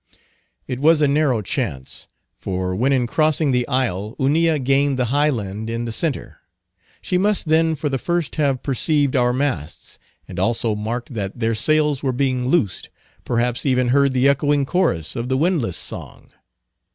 It was a narrow chance. For when in crossing the isle Hunilla gained the high land in the centre, she must then for the first have perceived our masts, and also marked that their sails were being loosed, perhaps even heard the echoing chorus of the windlass song.